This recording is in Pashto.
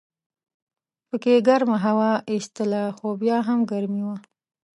پکې ګرمه هوا ایستله خو بیا هم ګرمي وه.